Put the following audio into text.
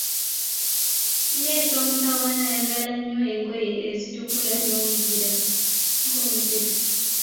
Ng'eky'omutawaana ayagala nnyo engoye ezitukula ng'omuzira.